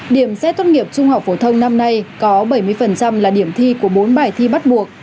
điểm xét tốt nghiệp trung học phổ thông năm nay có bảy mươi là điểm thi của bốn bài thi bắt buộc